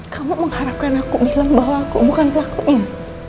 kamu mengharapkan aku bilang bahwa aku bukan pelakunya